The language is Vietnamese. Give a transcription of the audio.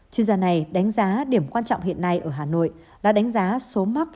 chuyên gia này đánh giá điểm quan trọng hiện nay ở hà nội là đánh giá số mắc